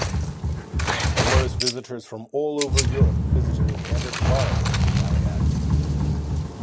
Numerous visitors from all over Europe visited and admired the Ariadne.